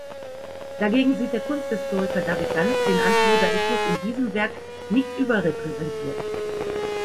Dagegen sieht der Kunsthistoriker David Ganz den Antijudaismus in diesem Werk nicht überrepräsentiert.